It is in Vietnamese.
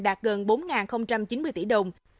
đạt gần bốn chín mươi tỷ đồng